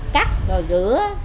cắt rồi rửa